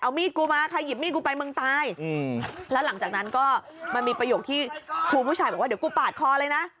มีดกูมาใครหยิบมีดกูไปมึงตายแล้วหลังจากนั้นก็มันมีประโยคที่ครูผู้ชายบอกว่าเดี๋ยวกูปาดคอเลยนะ